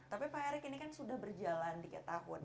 tapi pak erick ini kan sudah berjalan tiga tahun